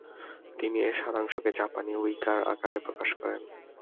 তিনি এর সারাংশকে জাপানি হাইকুর আকারে প্রকাশ করেন।